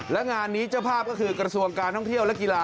และงานนี้เจ้าภาพก็คือกระทรวงการท่องเที่ยวและกีฬา